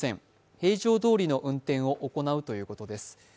平常どおりの運転を行うということです。